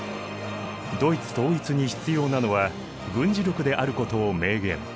ドイツ統一に必要なのは軍事力であることを明言。